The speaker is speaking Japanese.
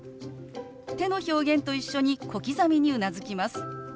手の表現と一緒に小刻みにうなずきます。